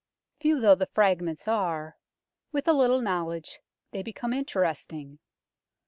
Few though the fragments are, with a little knowledge they become interesting.